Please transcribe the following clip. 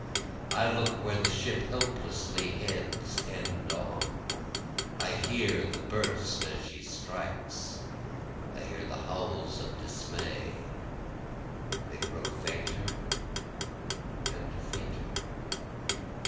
I look where the ship helplessly heads end on, I hear the burst as she strikes, I hear the howls of dismay, they grow fainter and fainter.